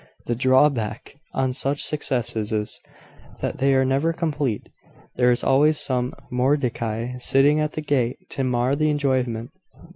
The drawback on such successes is, that they are never complete. There is always some Mordecai sitting at the gate to mar the enjoyment.